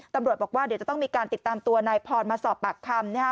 ตำรวจบอกว่าเดี๋ยวจะต้องมีการติดตามตัวนายพรมาสอบปากคำนะฮะ